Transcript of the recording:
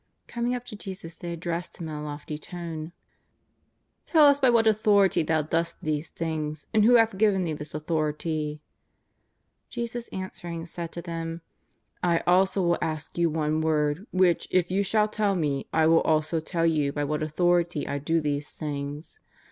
Coming up to Jesus, they ad dressed Him in a lofty tone :^' Tell us by what authority Thou dost these things, and who hath giA^en Thee this authority." Jesus answering said to them :'^ I also will ask you one word, which, if you shall tell Me, I will also tell you by what authority I do these things.